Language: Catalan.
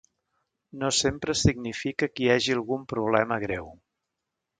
No sempre significa que hi hagi algun problema greu.